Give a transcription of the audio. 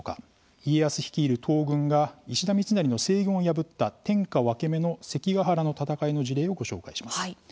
家康率いる東軍が石田三成の西軍を破った天下分け目の関ケ原の戦いの事例をご紹介します。